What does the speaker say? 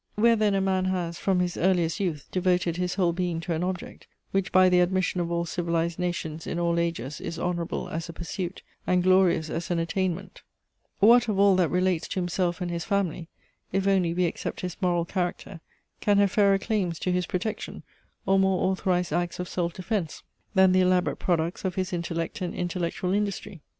Where then a man has, from his earliest youth, devoted his whole being to an object, which by the admission of all civilized nations in all ages is honourable as a pursuit, and glorious as an attainment; what of all that relates to himself and his family, if only we except his moral character, can have fairer claims to his protection, or more authorize acts of self defence, than the elaborate products of his intellect and intellectual industry?